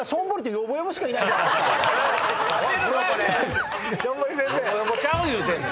よぼよぼちゃう言うてんねん。